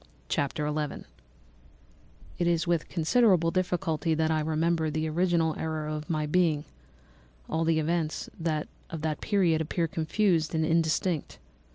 Chapter 11 "It is with considerable difficulty that I remember the original era of my being; all the events of that period appear confused and indistinct.